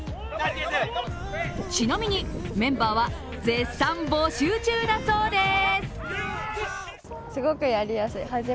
ちなみに、メンバーは絶賛募集中だそうです。